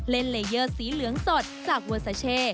เลเยอร์สีเหลืองสดจากเวอร์ซาเช่